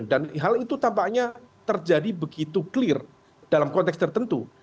dan hal itu tampaknya terjadi begitu clear dalam konteks tertentu